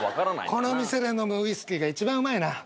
この店で飲むウイスキーが一番うまいな。